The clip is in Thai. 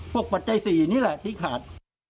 ปัจจัย๔นี่แหละที่ขาด